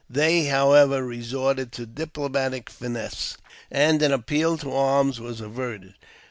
They, however, resorted to diplo matic finesse, and an appeal to arms was averted.